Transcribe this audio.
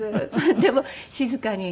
でも静かに。